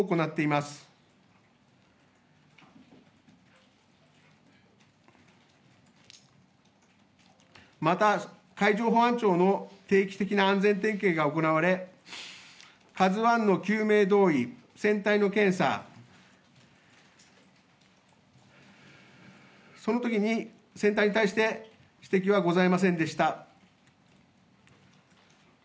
また、海上保安庁の定期的な安全点検が行われ、カズワンの救命胴衣、船体の検査、そのときに、船体に対して、指摘はございませんでした。